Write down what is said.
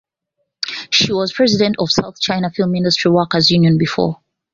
She was president of South China Film Industry Workers union before.